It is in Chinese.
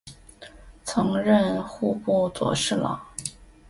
曾任户部左侍郎。